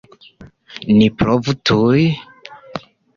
Ni provu tuj!